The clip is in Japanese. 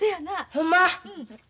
ほんま？